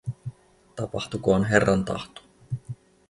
Tapahtukoon Herran tahto.